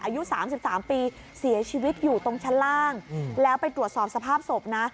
อายุ๓๓ปีเสียชีวิตอยู่ตรงชั้นล่างแล้วไปตรวจสอบสภาพศพนะ